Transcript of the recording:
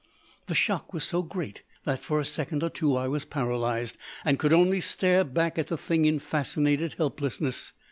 The shock was so great that for a second or two I was paralysed, and could only stare back at the thing in fascinated helplessness.